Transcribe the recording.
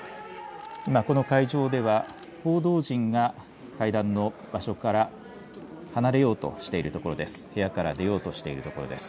今、この会場では報道陣が会談の場所から離れようとしているところです。